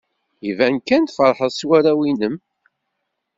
Iban kan tfeṛḥed s warraw-nnem.